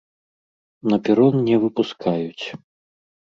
На перон не выпускаюць.